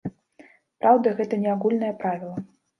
Праўда, гэта не агульнае правіла.